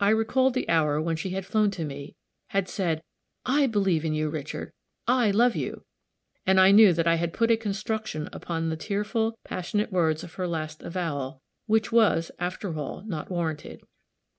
I recalled the hour when she had flown to me had said, "I believe in you, Richard; I love you!" and I knew that I had put a construction upon the tearful, passionate words of her last avowal, which was, after all, not warranted.